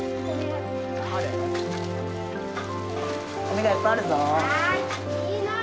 ゴミがいっぱいあるぞ！